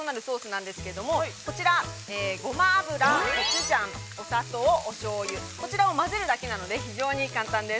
味の決め手となるソースなんですけれども、こちら、ゴマ油、コチュジャン、お砂糖、おしょうゆ、こちらを混ぜるだけなので、非常に簡単です。